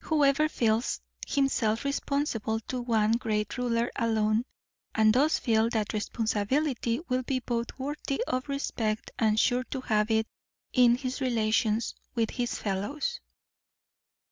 Whoever feels himself responsible to the one Great Ruler alone, and does feel that responsibility, will be both worthy of respect and sure to have it in his relations with his fellows.